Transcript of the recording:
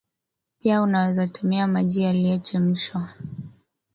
pia unaweza tumia maji yaliyochemshwa